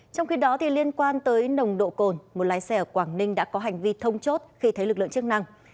trong khi đó liên quan tới nồng độ cồn một lái xe ở quảng ninh đã có hành vi thông chốt khi thấy lực lượng chức năng